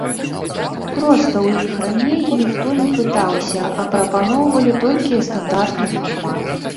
Проста ў іх раней ніхто не пытаўся, а прапаноўвалі толькі стандартны фармат.